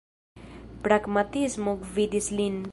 Pragmatismo gvidis lin.